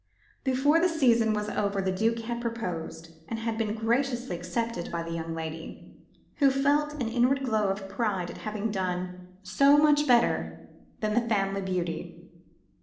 Before the season was over the Duke had proposed, and had been graciously accepted by the young lady, who felt an inward glow of pride at having done so much better than the family beauty.